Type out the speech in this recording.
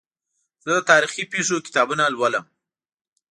زه د تاریخي پېښو کتابونه لولم.